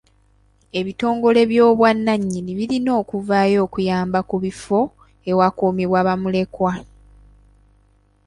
Ebitongole by'obwannannyini birina okuvaayo okuyamba ku bifo ewakuumirwa bamulekwa.